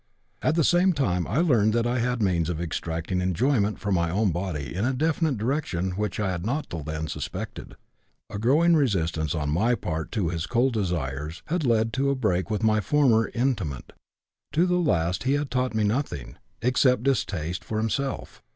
At the same time I learned that I had means of extracting enjoyment from my own body in a definite direction which I had not till then suspected. A growing resistance on my part to his cold desires had led to a break with my former intimate; to the last he had taught me nothing, except distaste for himself.